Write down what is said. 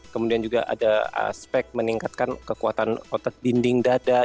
kemudian juga ada aspek meningkatkan kekuatan otot dinding dada